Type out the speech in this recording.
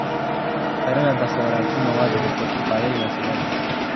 کرنه د خوراکي موادو د خودکفایۍ وسیله ده.